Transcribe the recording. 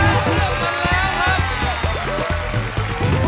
แล้วล่ะครับเลือกมันแล้วครับ